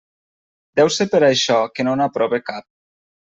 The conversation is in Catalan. Deu ser per això que no n'aprove cap.